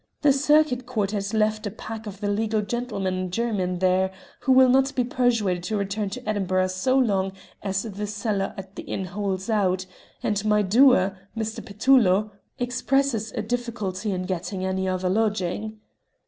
The Circuit Court has left a pack of the legal gentlemen and jurymen there, who will not be persuaded to return to Edinburgh so long as the cellar at the inn holds out, and my doer, Mr. Petullo, expresses a difficulty in getting any other lodging."